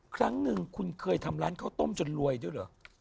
ครั้งหนึ่งคุณเคยทำร้านข้าวต้มจนรวยด้วยเหรอ